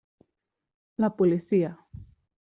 La policia.